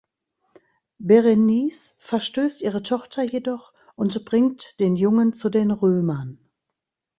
Berenice verstößt ihre Tochter jedoch und bringt den Jungen zu den Römern.